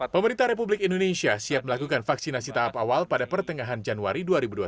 pemerintah republik indonesia siap melakukan vaksinasi tahap awal pada pertengahan januari dua ribu dua puluh satu